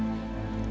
ya pak adrian